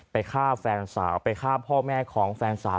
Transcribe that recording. ฆ่าแฟนสาวไปฆ่าพ่อแม่ของแฟนสาว